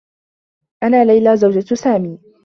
أنا ليلى، زوجة سامي.